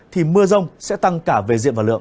thì mưa rông sẽ tăng cả về diện và lượng